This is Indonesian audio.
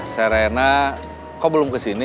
sere na kok belum ke sini